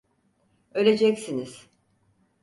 Öleceksiniz!